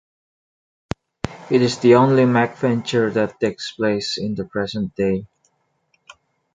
It is the only MacVenture that takes place in the present day.